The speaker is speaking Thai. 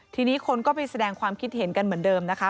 ทีนี้คนก็ไปแสดงความคิดเห็นกันเหมือนเดิมนะคะ